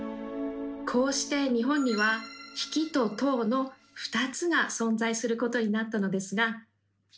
こうして日本には「匹」と「頭」の２つが存在することになったのですが